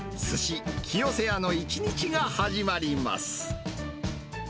すしきよせやの一日が始まります。